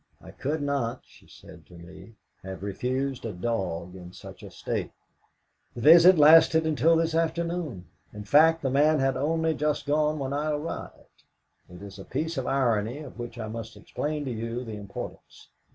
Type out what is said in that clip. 'I could not,' she said to me, 'have refused a dog in such a state.' The visit lasted until this afternoon in fact, the man had only just gone when I arrived. It is a piece of irony, of which I must explain to you the importance.